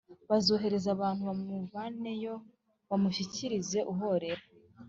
Bazohereze abantu bamuvaneyo bamushyikirize uhorera